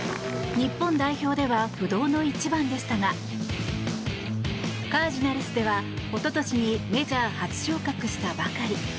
日本代表では不動の１番でしたがカージナルスでは一昨年にメジャー初昇格したばかり。